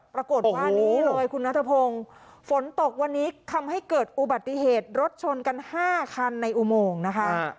ปรากฏว่านี้เลยคุณนัทพงศ์ฝนตกวันนี้ทำให้เกิดอุบัติเหตุรถชนกัน๕คันในอุโมงนะคะ